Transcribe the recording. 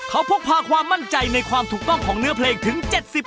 เขาพกพาความมั่นใจในความถูกต้องของเนื้อเพลงถึง๗๐